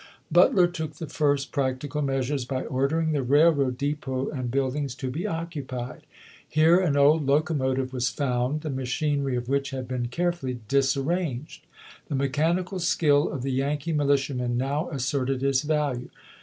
Butler took the first practical measures, by order ing the railroad depot and buildings to be occupied. Here an old locomotive was found, the machinery of which had been carefully disarranged. The mechanical skill of the Yankee militiamen now asserted its value.